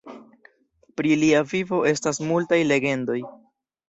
Pri lia vivo estas multaj legendoj.